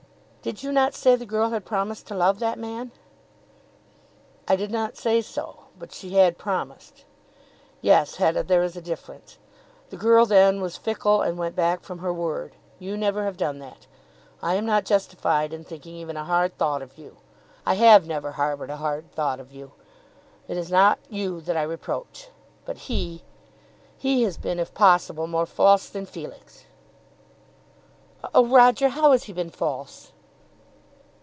"Did you not say the girl had promised to love that man?" "I did not say so; but she had promised. Yes, Hetta; there is a difference. The girl then was fickle and went back from her word. You never have done that. I am not justified in thinking even a hard thought of you. I have never harboured a hard thought of you. It is not you that I reproach. But he, he has been if possible more false than Felix." "Oh, Roger, how has he been false?"